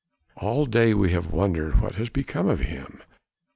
"All day we have wondered what has become of him."